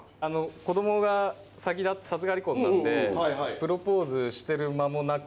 子供が先授かり婚なんでプロポーズしてる間もなく。